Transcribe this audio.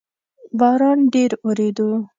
باران ډیر اووریدو